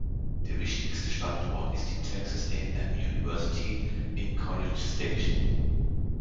Der wichtigste Standort ist die Texas A&M University in College Station.